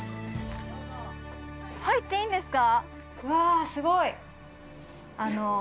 入っていいんですか？